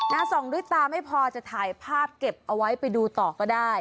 ส่องด้วยตาไม่พอจะถ่ายภาพเก็บเอาไว้ไปดูต่อก็ได้